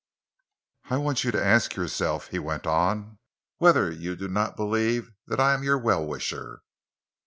"I want you to ask yourself," he went on, "whether you do not believe that I am your well wisher.